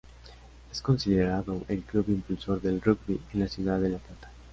Es considerado el Club impulsor del Rugby en la ciudad de La Plata.